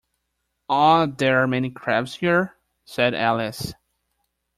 ‘Are there many crabs here?’ said Alice.